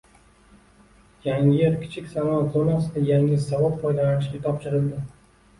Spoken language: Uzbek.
Yangiyer kichik sanoat zonasida yangi zavod foydalanishga topshirildi